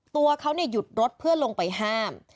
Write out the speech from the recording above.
ตัวเขาหยุดรถเพื่อลงไปห้าม